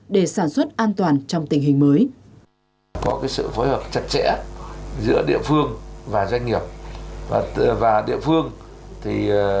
để sản xuất an toàn trong tình hình mới